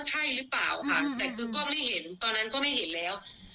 ใช่แล้วคือตอนเห็นถังขยะขยับออกมาตอนนั้นคือหนูออกมาแล้ว